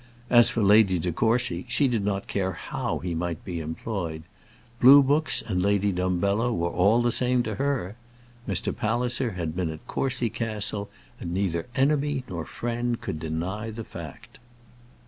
As for Lady De Courcy, she did not care how he might be employed. Blue books and Lady Dumbello were all the same to her. Mr. Palliser had been at Courcy Castle, and neither enemy nor friend could deny the fact.